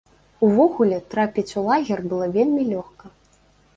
Увогуле, трапіць у лагер было вельмі лёгка.